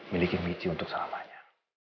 miliki michi untuk selamanya